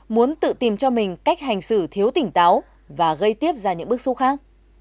muốn tự tìm cho mình cách hành xử thiếu tỉnh táo và gây tiếp ra những bức xúc khác